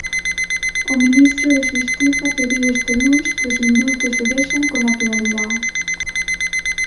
O ministro de Xustiza pediu este luns que os indultos se vexan con naturalidade.